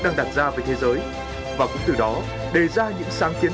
đang đặt ra với thế giới và cũng từ đó đề ra những sáng kiến